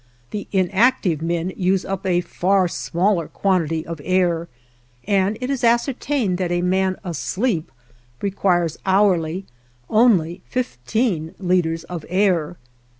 The inactive men use up a far smaller quantity of air, and it is ascertained that a man asleep requires hourly only fifteen liters of air.